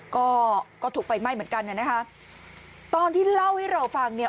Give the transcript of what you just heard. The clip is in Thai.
ก็ก็ถูกไฟไหม้เหมือนกันเนี่ยนะคะตอนที่เล่าให้เราฟังเนี่ย